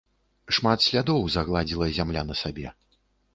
Шмат слядоў загладзіла зямля на сабе.